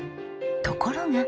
ところが。